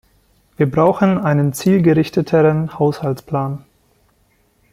Wir brauchen einen zielgerichteteren Haushaltsplan.